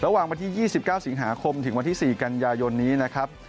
ระหว่างวันที่๒๙สิงหาคมถึงวันที่๔กันยายนนี้นะครับ